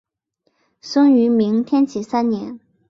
生于明天启三年。